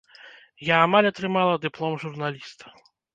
Я амаль атрымала дыплом журналіста.